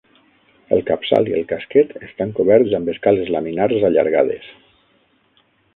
El capçal i el casquet estan coberts amb escales laminars allargades.